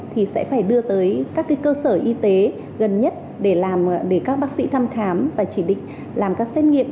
thì sẽ phải đưa tới các cơ sở y tế gần nhất để làm để các bác sĩ thăm khám và chỉ định làm các xét nghiệm